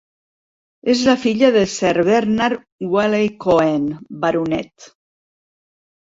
És la filla de Sir Bernard Waley-Cohen, Baronet.